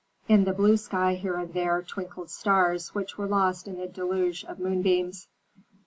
In the blue sky here and there twinkled stars which were lost in the deluge of moonbeams.